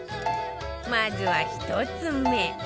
まずは１つ目